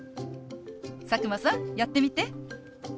佐久間さんやってみて。